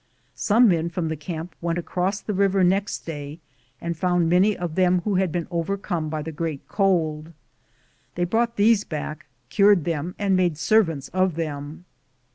Some men from the camp went across the river next day and found many of them who had been over come by the great cold. They brought these back, cured them, and made serv ants of them.